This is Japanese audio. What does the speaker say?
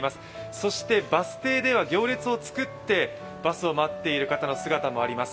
そしてバス停では行列を作ってバスを待っている方の姿もあります。